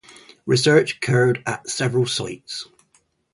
Research occurred at several sites.